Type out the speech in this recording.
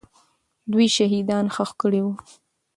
دوی شهیدان ښخ کړي وو.